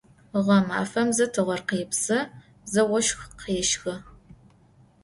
Ğemafem ze tığer khêpsı, ze voşx khêşxı.